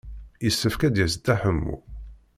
Yessefk ad d-yas Dda Ḥemmu.